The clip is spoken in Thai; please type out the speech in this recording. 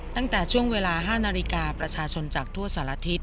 ตั้งแต่ช่วงเวลา๕นาฬิกาประชาชนจากทั่วสารทิศ